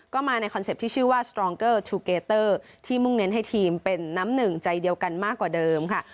ก็มาในคอนเซปต์ที่ชื่อว่าที่มุ่งเน้นให้ทีมเป็นน้ำหนึ่งใจเดียวกันมากกว่าเดิมค่ะ